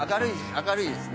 明るいですね。